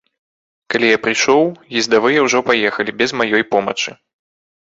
Калі я прыйшоў, ездавыя ўжо паехалі без маёй помачы.